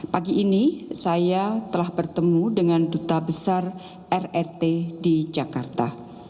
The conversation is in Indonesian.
pagi ini saya telah bertemu dengan duta besar rrt di jakarta